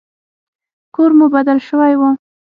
کور مو بدل سوى و.